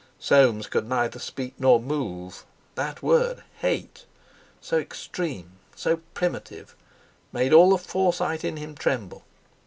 Soames could neither speak nor move. That word "hate"—so extreme, so primitive—made all the Forsyte in him tremble.